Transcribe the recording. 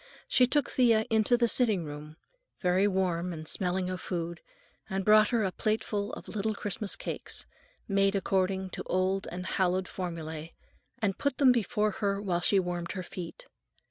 She took Thea into the sitting room, very warm and smelling of food, and brought her a plateful of little Christmas cakes, made according to old and hallowed formulae, and put them before her while she warmed her feet.